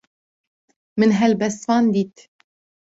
Min helbestvan dît.